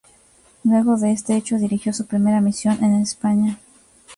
Luego de este hecho, dirigió su primera misión en España.